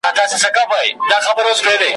روانه ده او د دې ویرژلي اولس ,